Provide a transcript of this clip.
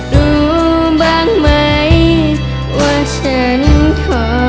รู้บ้างไหมว่าฉันขอ